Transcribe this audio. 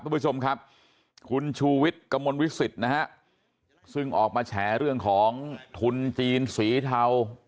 คุณผู้ชมครับคุณชูวิทย์กระมวลวิสิตนะฮะซึ่งออกมาแฉเรื่องของทุนจีนสีเทา